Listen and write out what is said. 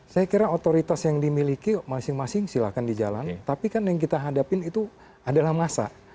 saya kira otoritas yang dimiliki masing masing silahkan di jalan tapi kan yang kita hadapin itu adalah masa